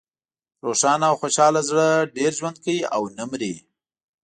روښانه او خوشحاله زړه ډېر ژوند کوي او نه مری.